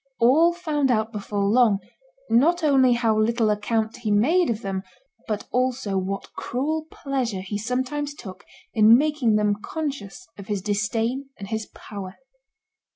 All found out before long, not only how little account he made of them, but also what cruel pleasure he sometimes took in making them conscious of his disdain and his power.